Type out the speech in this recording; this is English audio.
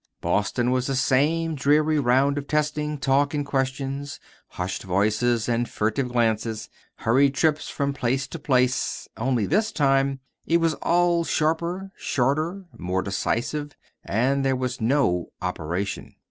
Boston was the same dreary round of testing, talk, and questions, hushed voices and furtive glances, hurried trips from place to place; only this time it was all sharper, shorter, more decisive, and there was no operation.